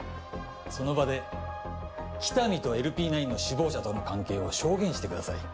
その場で喜多見とＬＰ９の首謀者との関係を証言してください